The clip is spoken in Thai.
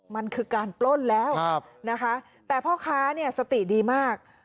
มันคือการปล้นแล้วนะคะแต่พ่อค้าเนี่ยสติดีมาก